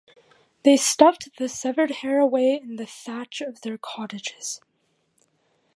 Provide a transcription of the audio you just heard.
They stuffed the severed hair away in the thatch of their cottages.